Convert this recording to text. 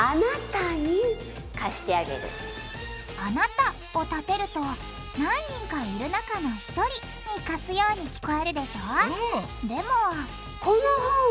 「あなた」をたてると何人かいる中の１人に貸すように聞こえるでしょうん！